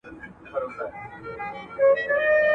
ما خو پرېږده نن رویبار په وینو ژاړي